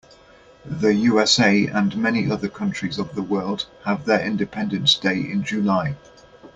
The USA and many other countries of the world have their independence day in July.